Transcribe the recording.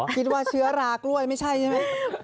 คิดว่าเชื้อรากล้วยไม่ใช่ใช่ไหม